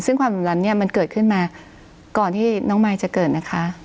ซึ่งความเหลื่อล้ำเนี่ยมันเกิดขึ้นมาก่อนที่น้องมายจะเกิดนะคะ